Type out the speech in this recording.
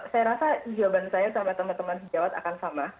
saya rasa jawaban saya sama teman teman sejawat akan sama